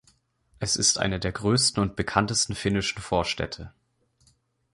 Es ist eine der größten und bekanntesten finnischen Vorstädte.